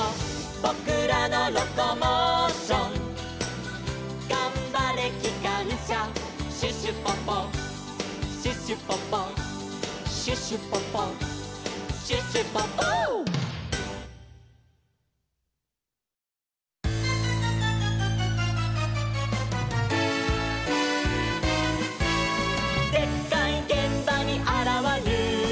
「ぼくらのロコモーション」「がんばれきかんしゃ」「シュシュポポシュシュポポ」「シュシュポポシュシュポポ」「でっかいげんばにあらわる！」